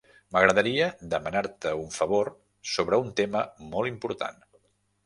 M'agradaria demanar-te un favor sobre un tema molt important.